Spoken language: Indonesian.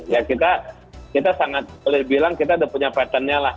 ya kita sangat boleh dibilang kita sudah punya pattern nya lah